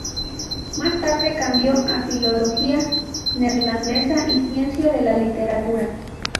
Más tarde cambió a filología neerlandesa y Ciencia de la literatura.